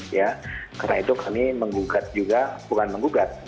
karena itu kami mengugat juga bukan mengugat